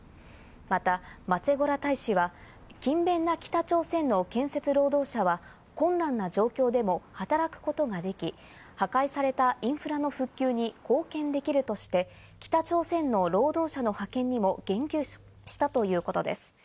またマツェゴラ大使は、勤勉な北朝鮮の建設労働者は困難な状況でも働くことができ、破壊されたインフラの復旧に貢献できるとして、北朝鮮の労働者の派遣にも言及したということです。